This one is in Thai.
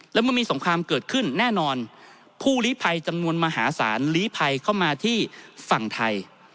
และเมื่อมีสงครามเกิดขึ้นแน่นอนผู้ลีภัยจำนวนมหาศาลลีภัยเข้ามาที่ฝั่งไทย